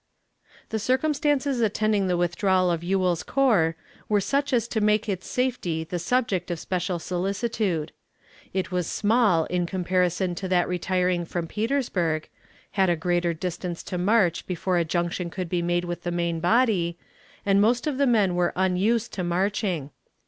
The circumstances attending the withdrawal of Ewell's corps were such as to make its safety the subject of special solicitude. It was small in comparison to that retiring from Petersburg, had a greater distance to march before a junction could be made with the main body, and most of the men were unused to marching.